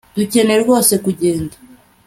Dukeneye rwose kugenda